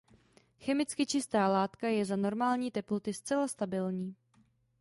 Chemicky čistá látka je za normální teploty zcela stabilní.